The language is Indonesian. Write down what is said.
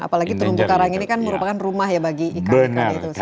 apalagi terumbu karang ini kan merupakan rumah ya bagi ikan ikan itu